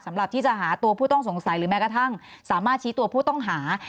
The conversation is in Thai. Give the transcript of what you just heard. สำหรับที่จะหาตัวผู้ต้องสงสัยหรือแม้กระทั่งสามารถชี้ตัวผู้ต้องหา